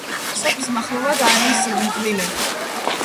სოფლის მახლობლად არის მღვიმე.